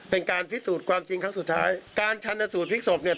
เป็นการพิสูจน์ความจริงครั้งสุดท้ายการชันสูตรพลิกศพเนี่ย